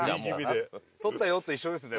「撮ったよ」と一緒ですね